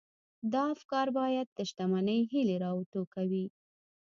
دا افکار بايد د شتمنۍ هيلې را وټوکوي.